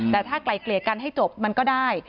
แต่ถ้าไกลเกลี่ยกันให้จบมันก็ได้